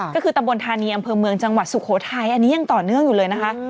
ก็คือตำบลธานีอำเภอเมืองจังหวัดสุโขทัยอันนี้ยังต่อเนื่องอยู่เลยนะคะ